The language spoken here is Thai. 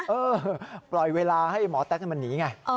เออปล่อยเวลาให้หมอแต๊กมันหนีไง